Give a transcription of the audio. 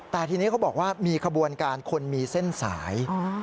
แต่ทีนี้เขาบอกว่ามีขบวนการคนมีเส้นสาย